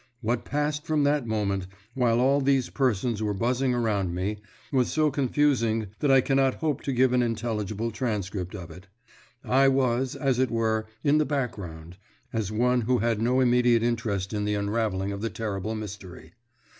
What passed from that moment, while all these persons were buzzing around me, was so confusing that I cannot hope to give an intelligible transcript of it. I was, as it were, in the background, as one who had no immediate interest in the unravelling of the terrible mystery.